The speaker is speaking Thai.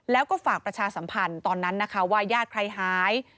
แล้วก็ฝากประชาสัมพันธ์ตอนนั้นนะคะว่าญาติใครหาย